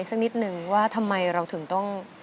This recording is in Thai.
สักนิดนึงว่าทำไมเราถึงต้อง